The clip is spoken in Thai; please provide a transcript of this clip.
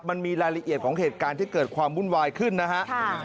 มันมีรายละเอียดของเหตุการณ์ที่เกิดความวุ่นวายขึ้นนะฮะ